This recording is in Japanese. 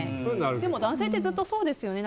でも男性ってずっとそうですよね。